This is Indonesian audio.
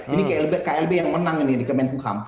ini klb yang menang ini di kemenkuham